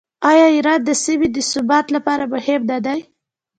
آیا ایران د سیمې د ثبات لپاره مهم نه دی؟